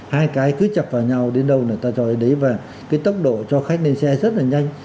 hai cái cứ chập vào nhau đến đâu là ta cho đến đấy và cái tốc độ cho khách lên xe rất là nhanh